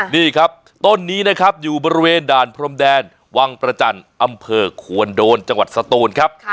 นี่ครับต้นนี้นะครับอยู่บริเวณด่านพรมแดนวังประจันทร์อำเภอควนโดนจังหวัดสตูนครับ